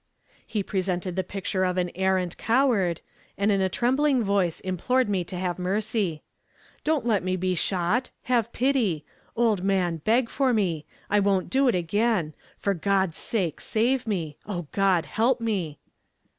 He presented the picture of an arrant coward, and in a trembling voice implored me to have mercy: 'Don't let me be shot; have pity! Old man, beg for me! I won't do it again! For God's sake, save me! O God, help me!'